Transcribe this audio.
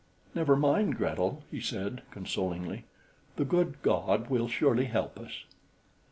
"Never mind, Gretel," he said consolingly, "the good God will surely help us."